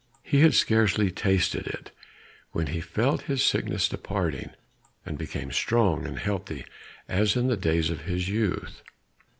He had scarcely tasted it, when he felt his sickness departing, and became strong and healthy as in the days of his youth.